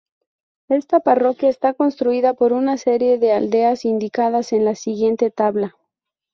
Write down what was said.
Esta parroquia está constituida por una serie de aldeas, indicadas en la siguiente tabla.